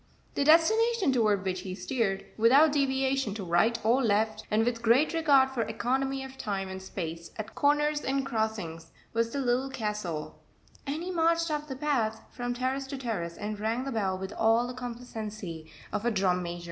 The destination toward which he steered, without deviation to right or left, and with great regard for economy of time and space at corners and crossings, was the Little Castle, and he marched up the path from terrace to terrace, and rang the bell with all the complacency of a drum major.